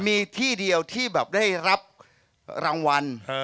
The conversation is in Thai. มีที่เดียวที่แบบได้รับรางวัล